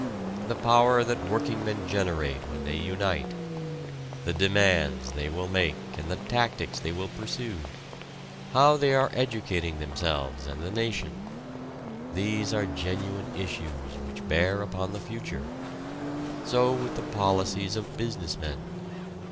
The power that workingmen generate when they unite the demands they will make and the tactics they will pursue how they are educating themselves and the nation these are genuine issues which bear upon the future. So with the policies of business men.